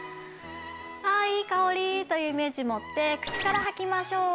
ああいい香り！というイメージ持って口から吐きましょう。